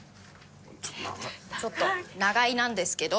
ちょっと長いなんですけど。